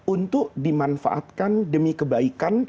untuk dimanfaatkan demi kebaikan